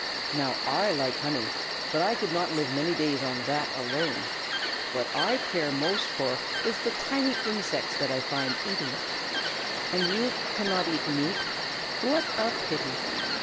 Now I like honey, but I could not live many days on that alone. What I care most for is the tiny insects that I find eating it. And you cannot eat meat. What a pity!